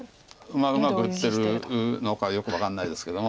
うまく打ってるのかよく分かんないですけども。